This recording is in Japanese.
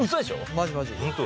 マジマジ。